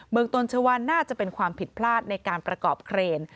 เมืองตนชวานน่าจะเป็นความผิดพลาดในการประกอบเครน